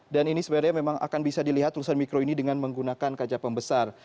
dan ini sebenarnya memang akan bisa dilihat tulisan mikro ini dengan menggunakan kaca pembesar